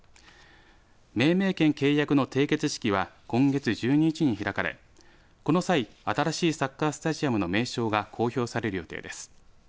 命名権契約の締結式は今月１２日に開かれこの際、新しいサッカースタジアムの名称が公表される予定です。